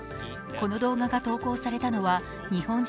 この動画が投稿されたのは日本